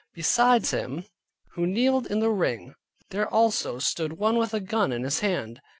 Besides him who kneeled in the ring, there also stood one with a gun in his hand.